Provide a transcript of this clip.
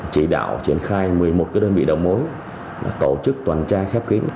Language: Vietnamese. chỉ đạo triển khai một mươi một đơn vị đầu mối tổ chức tuần tra khép kín